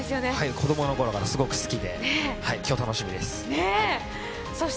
子供の頃からすごく好きで、今日、楽しみです。